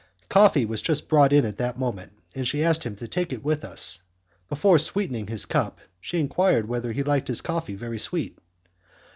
Coffee was just brought in at that moment, and she asked him to take it with us. Before sweetening his cup, she enquired whether he liked his coffee very sweet.